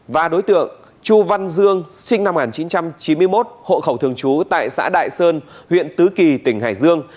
và đối tượng chu văn dương sinh năm một nghìn chín trăm chín mươi một hộ khẩu thường trú tại xã đại sơn huyện tứ kỳ tỉnh hải dương